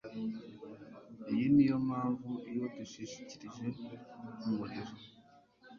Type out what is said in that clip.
Iyi niyo mpamvu iyo dushikirije umuriro